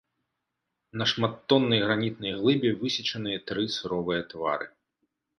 На шматтоннай гранітнай глыбе высечаныя тры суровыя твары.